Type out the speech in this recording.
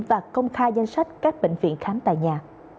và công khai danh sách các bệnh viện khám tại nhà